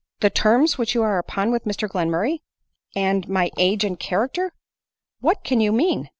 47 " The terms which you are upon with Mr Glenmur ray ! and ray age and character ! what can you mean